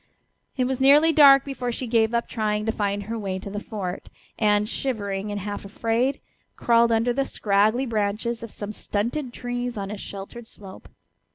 It was nearly dark before she gave up trying to find her way to the fort, and, shivering and half afraid, crawled under the scraggly branches of some stunted trees on a sheltered slope.